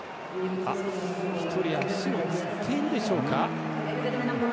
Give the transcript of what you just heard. １人、足をつっているでしょうか。